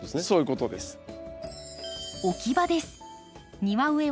そういうことです。